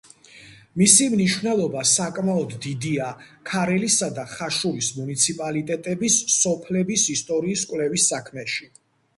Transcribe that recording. მისი მნიშვნელობა საკმაოდ დიდია ქარელისა და ხაშურის მუნიციპალიტეტების სოფლების ისტორიის კვლევის საქმეში.